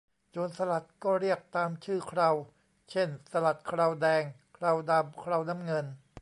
โจรสลัดก็เรียกตามชื่อเครา เช่นสลัดเคราแดง เคราดำ เคราน้ำเงิน